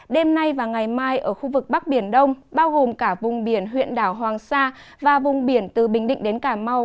đêm nay và ngày mai ở khu vực bắc biển đông bao gồm cả vùng biển huyện đảo hoàng sa và vùng biển từ bình định đến cà mau